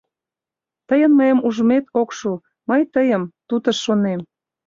Тыйын мыйым ужмет ок шу, мый тыйым тутыш шонем...